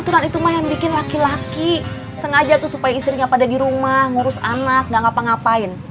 aturan itu mah yang bikin laki laki sengaja tuh supaya istrinya pada di rumah ngurus anak gak ngapa ngapain